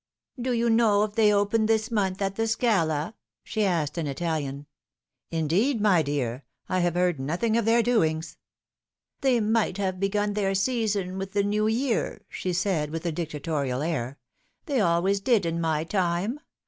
" Do you know if they open this month at the Scala ?" she asked, in Italian. " Indeed, my dear, I have heard nothing of their doings." " They might have begun their season with the new year," she said, with a dictatorial air. " They always did in my time.